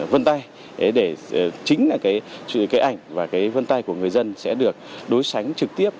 vân tay để chính là cái ảnh và cái vân tay của người dân sẽ được đối sánh trực tiếp